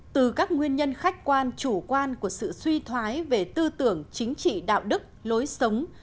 từ các nguyên nhân khách quan chủ quan của sự suy thoái về tư tưởng chính trị đạo đức lối sống